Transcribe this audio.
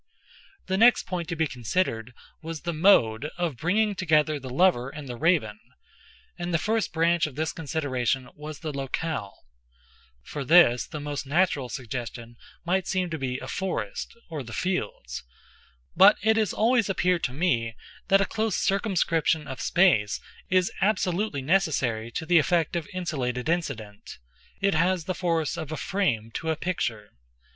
The next point to be considered was the mode of bringing together the lover and the Raven—and the first branch of this consideration was the locale. For this the most natural suggestion might seem to be a forest, or the fields—but it has always appeared to me that a close circumscription of space is absolutely necessary to the effect of insulated incident:—it has the force of a frame to a picture.